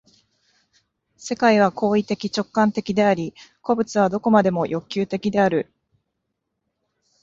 世界は行為的直観的であり、個物は何処までも欲求的である。